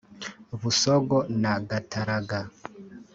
Busogo na Gataraga